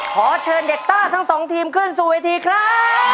ขอเชิญเด็กซ่าทั้งสองทีมขึ้นสู่เวทีครับ